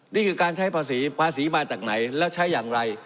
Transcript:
นี่คือการใช้ภาษีภาษีมาจากไหนแล้วใช้อย่างไร